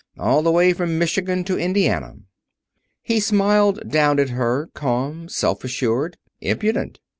all the way from Michigan to Indiana." He smiled down at her, calm, self assured, impudent.